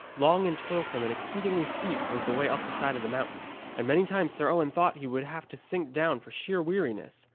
Long and toilsome and exceedingly steep was the way up the side of the mountain, and many times Sir Owen thought he would have to sink down for sheer weariness.